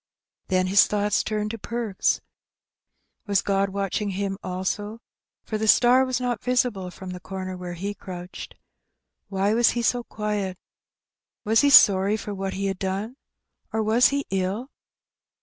Then his thoughts turned to Perks. Was God watching him also? for the star was not visible from the comer where he crouched. Why was he so quiet? Was he sorry for what he had done, or was he ill?